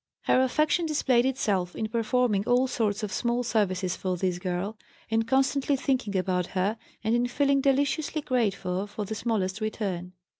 Her affection displayed itself in performing all sorts of small services for this girl, in constantly thinking about her, and in feeling deliciously grateful for the smallest return.